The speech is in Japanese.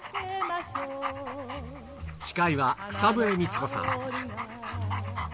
司会は草笛光子さん。